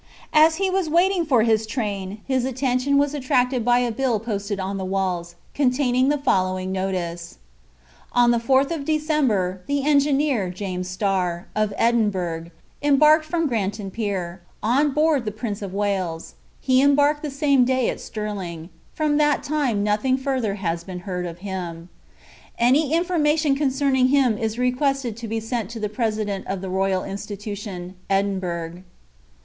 As he was waiting for his train, his attention was attracted by a bill posted up on the walls, containing the following notice: "On the 4th of December, the engineer, James Starr, of Edinburgh, embarked from Granton Pier, on board the Prince of Wales. He disembarked the same day at Stirling. From that time nothing further has been heard of him. "Any information concerning him is requested to be sent to the President of the Royal Institution, Edinburgh."